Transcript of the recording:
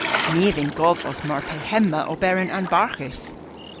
My a vynn godhvos mar pe hemma oberen anbarghus.